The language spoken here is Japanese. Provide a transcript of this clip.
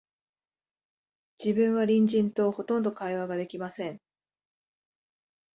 自分は隣人と、ほとんど会話が出来ません